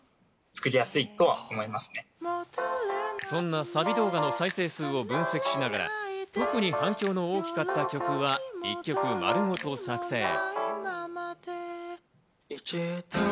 そんなサビ動画の再生数を分析しながら、特に反響の大きかった曲は１曲丸ごと作成。